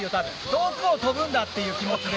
遠くを飛ぶんだっていう気持ちで。